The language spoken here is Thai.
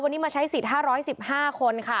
กรุงเทพฯมหานครทำไปแล้วนะครับ